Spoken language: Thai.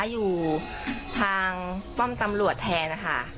อยู่ทางป้อมตำรวจแทนนะคะ